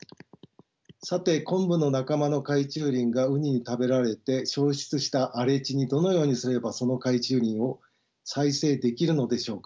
さてコンブの仲間の海中林がウニに食べられて消失した荒れ地にどのようにすればその海中林を再生できるのでしょうか。